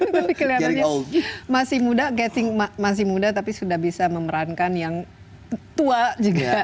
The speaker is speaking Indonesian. tapi kelihatannya masih muda tapi sudah bisa memerankan yang tua juga